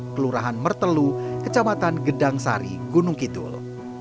kelurahan mertelu kecamatan gedang sari gunung kidul